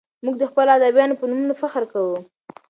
موږ د خپلو ادیبانو په نومونو فخر کوو.